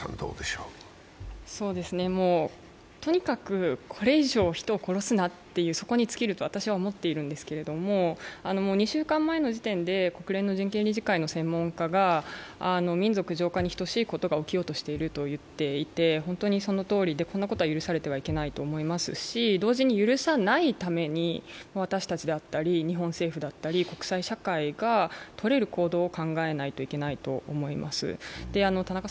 とにかくこれ以上、人を殺すなって、そこに尽きると私は思ってるんですけど２週間前の時点で国連の人権理事会が、民族浄化に等しいことが起きる気がしていると言っていて、本当にそのとおりで、こんなことは許されてはいけないと思いますし、同時に、許さないために私たちだったり日本政府だったり国際社会がとれる行動を考えないといけないと思います。